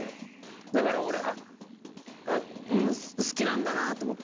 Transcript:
だから俺好きなんだなと思って。